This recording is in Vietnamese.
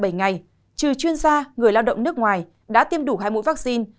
các nhà bảy ngày trừ chuyên gia người lao động nước ngoài đã tiêm đủ hai mũi vaccine